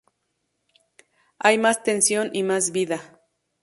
Hay más tensión y más vida.